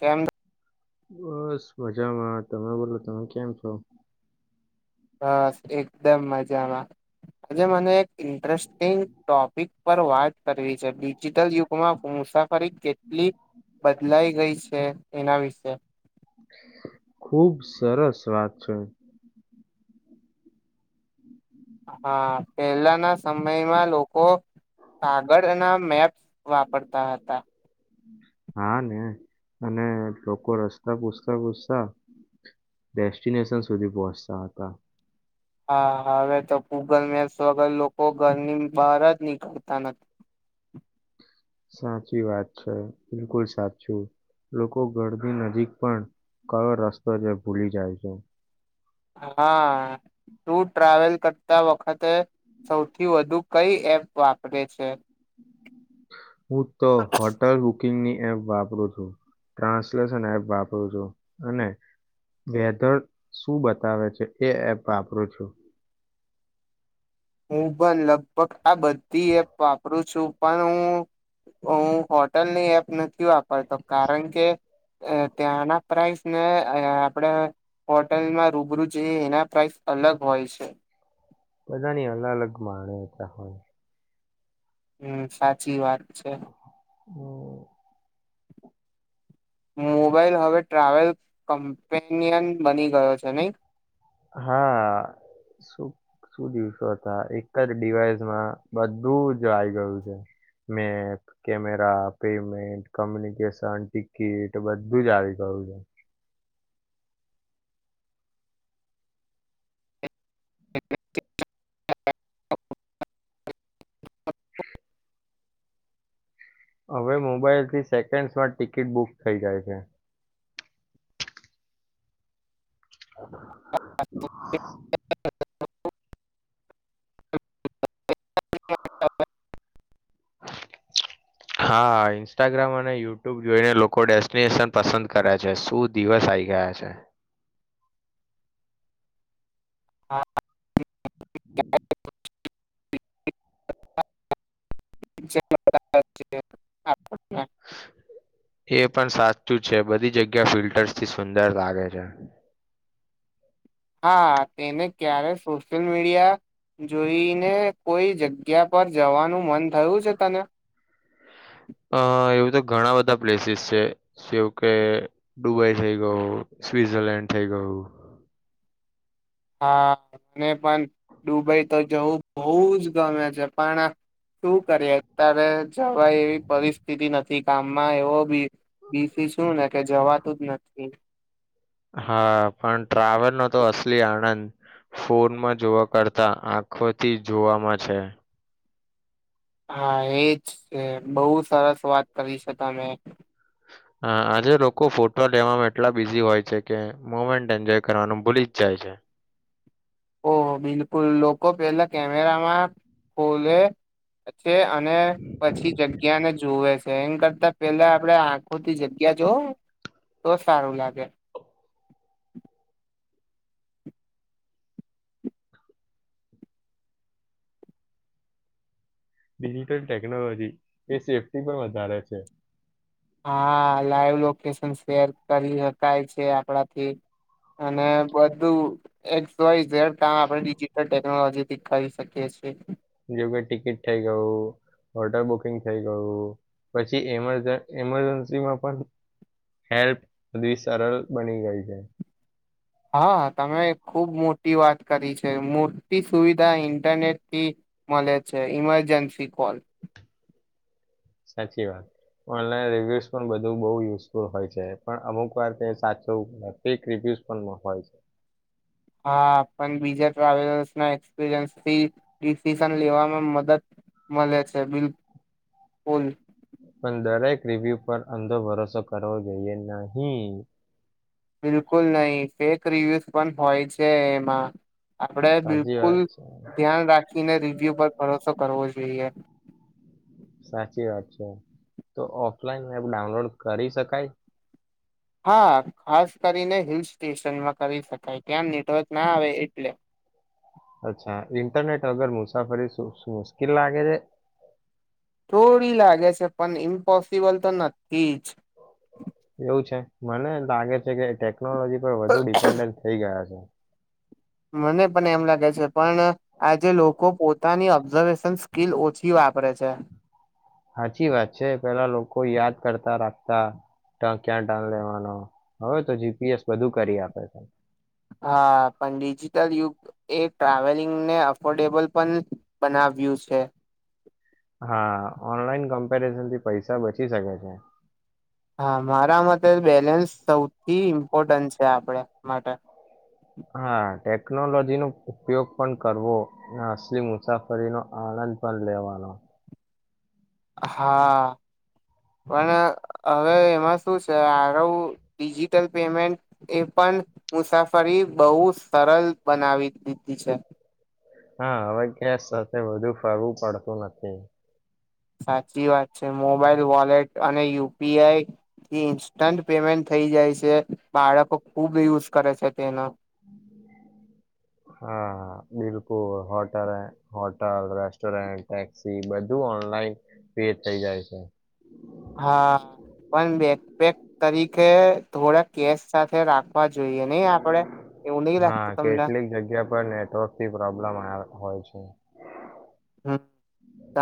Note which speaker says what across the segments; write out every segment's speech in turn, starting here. Speaker 1: કેમ
Speaker 2: બસ મજામાં તમે બોલો તમે કેમ છો
Speaker 1: બસ એકદમ મજામાં આજે મને એક ઇન્ટરેસ્ટિંગ ટોપિક પર વાત કરવી છે ડિજીિટલ યુગમાં મુસાફરી કેટલી બદલાઈ ગઈ છે એના વિશે
Speaker 2: ખુબ સરસ વાત છે
Speaker 1: હા પહેલાના સમયમાં લોકો કાગળના મેપ વાપરતા હતા
Speaker 2: હા ને અને લોકો રસ્તા પૂછતા પૂછતા ડેસ્ટિનેશન સુધી પહોંચતા હતા
Speaker 1: હા હા હવે તો ગૂગલ મેપ્સ વગર લોકો ઘરની બહાર જ નીકળતા નથી
Speaker 2: સાચી વાત છે બિલકુલ સાચું લોકો ઘરની નજીક પણ કયો રસ્તો જે ભૂલી જાય છે
Speaker 1: હા ટું ટ્રાવેલ કરતા વખતે સૌથી વધુ કઈ એપ વાપરે છે
Speaker 2: [inaudible] હું તો હોટલ બુકિંગની એપ વાપરું છું ટ્રાન્સલેશન એપ વાપરું છું અને વેધર શું બતાવે છે એ એપ વાપરું છું
Speaker 1: હું બન લગભગ આ બધી એપ વાપરું છું પણ હું હું હોટલની એપ નથી વાપરતો કારણ કે ત્યાંના પ્રઇસ ને આપણે હોટલમાં રૂબરૂું જોઈએ એના પ્રાઇસ અલગ હોય છે
Speaker 2: બધાની અલગ અલગ માણેતા હોય
Speaker 1: હમ સાચી વાત છે
Speaker 2: [inaudible]
Speaker 1: મોબાઈલ હવે ટ્રાવેલ કમપેનિયન બની ગયો છે નહી
Speaker 2: હા સુ શું દિવસો હતા એક જ ડિવાઈસમાં બધું જ આવી ગયું છે map camera payment communication ticket બધું જ આવી ગયું છે
Speaker 1: [inaudible]
Speaker 2: હવે મોબાઈલ થી સેકન્ડસમાં ટિકિટ બુક થઈ જાય છે [inaudible] [inaudible]
Speaker 1: [inaudible]
Speaker 2: હા ઇન્સ્ટાગ્રામ અને યુટ્યુબ જોઈને લોકો ડેસ્ટિનેશન પસંદ કરે છે શું દિવસ આઈ ગયા છે
Speaker 1: [inaudible] [inaudible]
Speaker 2: એ પણ સાચું છે બધી જગ્યા ફિલ્ટર્સથી સુંદર લાગે છે
Speaker 1: હા તેને ક્યારે સોશિયલ મીડિયા જોઈને કોઈ જગ્યા પર જવાનું મન થયું છે તને
Speaker 2: અ એવું તો ઘણા બધા પ્લેસીસ છે જેવું કે દુબઈ થઈ ગયું સ્વિઝરલેન્ડ થઈ ગયું
Speaker 1: હા મને પણ દુબઈ તો જવું બહુ જ ગમે છે પણ શું કરીએ અત્યારે જવા એવી પરિસ્થિતિ નથી ગામમાં એવો બી બીસી છું ને કે જવાતું જ નથી
Speaker 2: હા પણ ટ્રાવેલનોો તો અસલી આનંદ ફોનમાં જોવા કરતા આંખોથી જોવામાં છે
Speaker 1: હા એજ છે બહુ સરસ વાત કરી શકમે
Speaker 2: હ આજે લોકો ફોટો લેવામાં એટલા બિઝી હોય છે કે મુમેન્ટ એન્જોય કરવાનું ભૂલી જ જાય છે
Speaker 1: ઓહ બિલકુલ લોકો પેલા કેમેરામાં ખોલે છે અને પછી જગ્યાને જુવે છે એમ કરતા પેલા આપણે આંખોથી જગ્યા જોવ તો સારું લાગે
Speaker 2: ડિજિટલ ટેકનોલોજી એ સેફ્ટી પણ વધારે છે
Speaker 1: હા લાઈવ લોકેશન શેર કરી શકાય છે આપડાથી અને બધું એક સયઝ કામ આપણે ડિજટલ ટેકનોલોજીથી કરી શકીએ છેએ
Speaker 2: જોકે ટિકિટ થઈ ગયું હોટલ બુકિંગ થઈ ગયું પછી એમજ એમરજન્સીમાં પણ હેલ્પ બધી સરળ બની ગઈ છે
Speaker 1: હા તમે ખુબ મોટી વાત કરી છે મોટી સુવિધા ઇન્ટરનેટથી મળે છે ઈમરજન્સી કોલ
Speaker 2: સાચી વાત ઓનલાઈન રિવ્યુઝ પણ બધું બહ યુઝફુલ હોય છે પણ અમુક વાર સાચોક રિવ્યુઝ પણ હોય છે
Speaker 1: હા પણ બીજા ટ્રાવેલર્સ ના એક્સપિરયન્સથી ડિસિઝન લેવામાં મદદ મળે છે બિલુલ
Speaker 2: પણ દરેક રિવ્યુ પર અંધો ભરોસો કરવો જોઈએ નહી
Speaker 1: બિલકુલ નહીં ફેક રિવ્યૂઝ પણ હોય છે એમાં આપડે
Speaker 2: સાચી
Speaker 1: બિલકુલ
Speaker 2: વાત છે
Speaker 1: ધ્યાન રાખીને ર વ્યુ પર ભરોસો કરવો જોઈએ
Speaker 2: સાચી વાત છે તો ઓફલાઈન એપ ડાઉનલોડ કરી શકાય
Speaker 1: હા ખાસ કરીને હિલ સ્ટેશનમાં કરી શકાય ક્યાં નેટવર્ક ના આવે એટલે
Speaker 2: અચ્છા ઇન્ટરનેટ વગર મુસાફરી મુશ્કેલ લાગે છે
Speaker 1: થોડી લાગે છે પણ ઇમ્પોસિબલ તો નથી જ
Speaker 2: એવું છે મને લાગે છે કેટ ટેકનોલોજી પર વધુ ડિપેન્ડન્ટ થઈ ગયા છે
Speaker 1: મને પણ એમ લાગે છે પણ આજે લોકો પોતાની સબઝર્વેશન સ્કીલ ઓછી વાપરે છે.
Speaker 2: હાચી વાત છે પેહલા લોકો યાદ કરતા રાખતા તા ક્યાં ટન લેવાનો હવે તો જી પી એસ બધું કરી આપે.
Speaker 1: હા પણ ડિજિટલ યુગ એ ટ્રાવેલિંગને અફોર્ડેબલ પણ બનાવ્યું છે.
Speaker 2: હા ઓનલાઈન કમ્પેરિઝનથી પૈસા બચી શકે છે.
Speaker 1: હા મારા માટે બેલેન્સ સૌથી ઇમ્પોર્ટન્ટ છે આપડે માટે.
Speaker 2: હા ટેકનોલોજી નો ઉપયોગ પણ કરવો અને અસલી મુસાફરીનો આનંદ પણ લેવાનો.
Speaker 1: હા પણ હવે એમાં શું છે આ ડિજિટલ પેમેન્ટ એ પણ મુસાફરી બહુ સરળ બનાવી દીધી છે.
Speaker 2: હા હવે કેશ સાથે વધુ ફરવું પડતું નથી.
Speaker 1: સાચી વાત. મોબાઈલ વોલેટ અને યુ યુ પી આઈ થી ઇન્સ્ટન્ટ પેમેન્ટ થઈ જાય છે બાળકો ખુબ યુઝ કરે છે તેનો.
Speaker 2: હા બિલકુલ હોટલ હોટલ, રેસ્ટોરન્ટ, ટેક્સી બધું ઓનલાઈન પે થઇ જાય છે.
Speaker 1: હા પણ બેકપેક તરીકે થોડા કેશ સાથે રાખવા જોઈએ નહીં આપડે એવું નહીં લાગતું
Speaker 2: હા
Speaker 1: તમને?
Speaker 2: કેટલીક જગ્યા પર થી આવે હોય છે.
Speaker 1: હમ્મ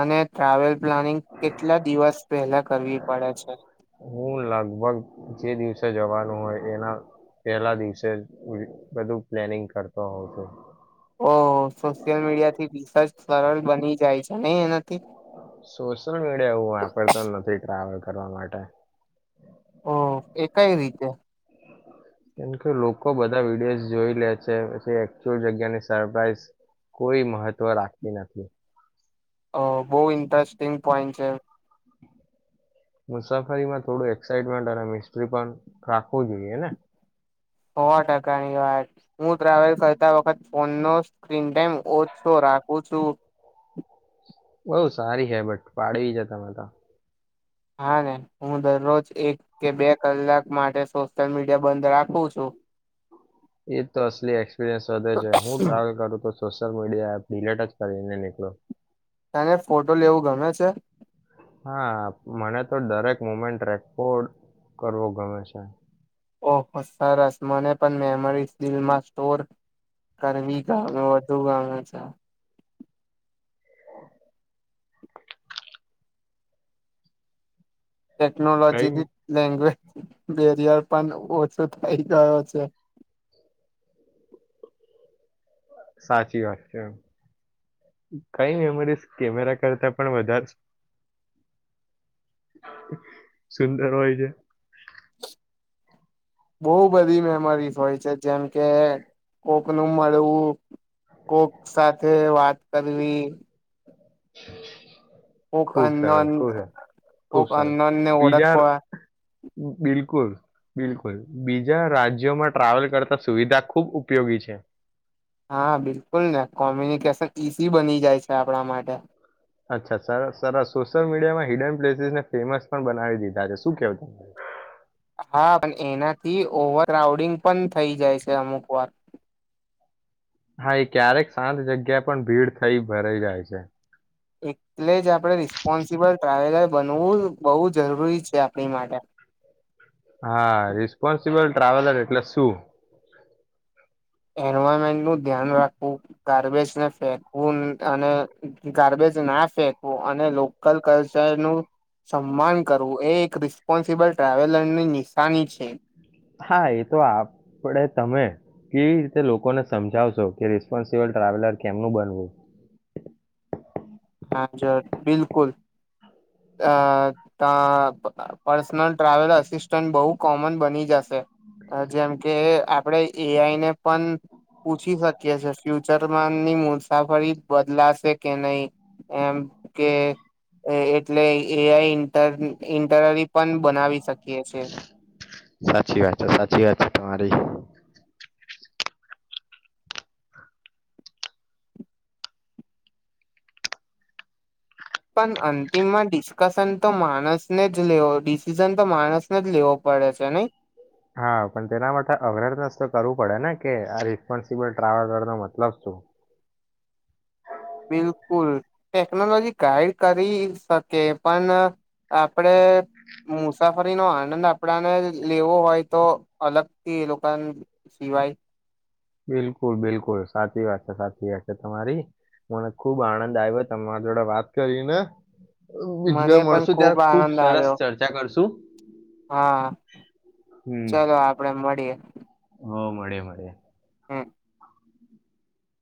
Speaker 1: અને ટ્રાવેલ પ્લાનિંગ કેટલા દિવસ પહેલા કરવી પડે છે?
Speaker 2: હું લગભગ જે દિવસે જવાનું હોય એના પેહલા દિવસે જ બધું પ્લેનિંગ કરતો હોઉં છું.
Speaker 1: ઓહ! સોશિયલ મીડિયાથી રિસર્ચ સરળ બની જાય છે. ને એનાથી.
Speaker 2: સોશિયલ મીડિયા એવું વાપરતા નથી ટ્રાવેલ કરવા માટે.
Speaker 1: ઓહ! એ કઈ રીતે?
Speaker 2: કેમ કે લોકો બધા વિડીયો જોઈ લે છે પછી એકચુઅલ જગ્યાની સરપ્રાઈઝ કોઈ મહત્વ રાખતી નથી.
Speaker 1: ઓહ. બહુ ઇન્ટરેસ્ટિંગ પોઈન્ટ છે.
Speaker 2: મુસાફરીમાં થોડું એક્સાઈટમેન્ટ અને મિસ્ટ્રી પણ રાખવું જોઈએ ને.
Speaker 1: હો ટકાની વાત. હું ટ્રાવેલ કરતા વખત ફોનનો સ્ક્રીન ટાઈમ ઓછો રાખું છું.
Speaker 2: બઉ સારી હે બટ પાડવી છે તમે તો.
Speaker 1: હા ને હું દરરોજ એક કે બે કલાક માટે સોશિયલ મીડિયા બંધ રાખું છું.
Speaker 2: એ તો અસલી એક્સપિરિયન્સ વધે છે હું ટ્રાવેલ કરું તો સોશિયલ મીડિયા ડીલેટ જ કરીને નીકળું.
Speaker 1: તને ફોટો લેવું ગમે છે?
Speaker 2: હા મને તો દરેક મુમેન્ટ રેકોર્ડ કરવો ગમે છે.
Speaker 1: ઓહો સરસ મને પણ મેમરી દિલમાં સ્ટોર કરવી ગમે વધુ ગમે છે.
Speaker 2: કઈ
Speaker 1: ટેકનોલોજીથી લેંગવેજ બેરિયર પણ ઓછો થઇ ગયો છે.
Speaker 2: સાચી વાત છે એમ કઈ મેમરી કેમેરા કરતા પણ વધારે સુંદર હોય છે?
Speaker 1: બહુ બધી મેમરીઝ હોય છે જેમકે કોકનું મળવું, કોક સાથે વાત કરવી
Speaker 2: [inaudible]
Speaker 1: કોક
Speaker 2: ખુબ સરસ
Speaker 1: અનનોન
Speaker 2: ખૂબ
Speaker 1: કોક
Speaker 2: સરસ
Speaker 1: અનનોન ને
Speaker 2: બીજા
Speaker 1: ઓળખવા
Speaker 2: બિલકુલ બિલકુલ બીજા રાજ્યોમાં ટ્રાવેલ કરતા સુવિધા ખુબ ઉપયોગી છે.
Speaker 1: હા બિલકુલ ને કોમ્યુનિકેશન ઈઝી બની જાય છે આપણા માટે.
Speaker 2: અચ્છા સર સરસ સોશિયલ મીડિયામાં હિડન પ્લેસીસને ફેમસ પણ બનાવી દીધા છે શું કેવું ત
Speaker 1: હા પણ એનાથી ઓવર ક્રાઉડિંગ પણ થઈ જાય છે અમુક વાર.
Speaker 2: હા એ ક્યારેક શાંત જગ્યા પણ ભીડ થઈ ભરાઈ જાય છે.
Speaker 1: [inaudible] એટલે જ આપણે રિસ્પોન્સિબલ ટ્રાવેલર બનવું બહુ જરૂરી છે આપણી માટે.
Speaker 2: હા રિસ્પોન્સિબલ ટ્રાવેલર એટલે શું?
Speaker 1: એન્વારમેન્ટનું ધ્યાન રાખવું, ગાર્બેજને ફેકવું અને ગાર્બેજ ના ફેંકવું અને લોકલ કલ્ચરનુ સન્માન કરવું એ એક રિસ્પોન્સિબલ ટ્રાવેલરની નિશાની છે.
Speaker 2: હા એ તો આપડે તમે કેવી રીતે લોકોને સમજાવશો કે રિસ્પોન્સિબલ ટ્રાવેલર કેમનું બનવું?
Speaker 1: હા બિલકુલ. અ પર્સનલ ટ્રાવેલ અસિસ્ટન્ટ બહુ કોમન બની જશે જેમ કે આપણે એ આઈ ને પણ પૂછી શકીએ છે ફ્યુચરમાંની મુસાફરી બદલાશે કે નહીં એમ કે એ એટલે એ આઈ ઈન્ટરનલી પણ બનાવી શકીએ છીએ.
Speaker 2: સાચી વાત છે સાચી વાત છે તમારી.
Speaker 1: પણ અંતિમમાં ડિસ્કશન તો માણસને જ લેવો ડિસિઝન તો માણસને જ લેવો પડે છે નહીં.
Speaker 2: હા પણ તેના માટે અવેરનેસ તો કરવું પડે ને કે આ રિસ્પોન્સિબલ ટ્રાવેલર નો મતલબ શું.
Speaker 1: બિલકુલ, ટેકનોલોજી ગાઈડ કરી શકે પણ આપણેે મુસાફરીનો આનંદ આપણાને લેવો હોય તો અલગથી એ લોકા સિવાય
Speaker 2: બિલકુલ બિલકુલ સાચી વાત છે સાચી વાત છે તમારી મને ખુબ આનંદ આયો તમારા જોડે વાત કરીને. બીજી
Speaker 1: મને
Speaker 2: વાર
Speaker 1: પણ
Speaker 2: મળશું
Speaker 1: ખુબ
Speaker 2: ત્યારે ખૂબ
Speaker 1: આનંદ
Speaker 2: સરસ
Speaker 1: આવ્યો
Speaker 2: ચર્ચા કરશું
Speaker 1: હા ચલો આપણે મળીએ.
Speaker 2: હવ મળીએે મળીએે.
Speaker 1: હમ્મ.